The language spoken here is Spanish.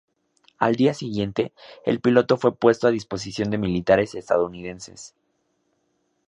Al día siguiente el piloto fue puesto a disposición de militares estadounidenses.